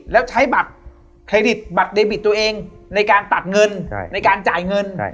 แล้วใช้บัตรเครดิตบัตรเดบิตตัวเองในการตัดเงินในการจ่ายเงิน